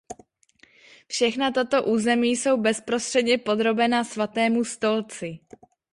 Všechna tato území jsou bezprostředně podrobena Svatému stolci.